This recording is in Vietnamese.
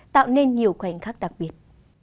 tạo nên nhiều khoảnh khắc đặc biệt